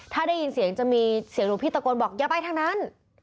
ถ้าได้ยินเสียงจะมีเสียงหลวงพี่ตะโกนบอกอย่าไปทางนั้น